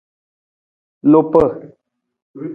Lupa.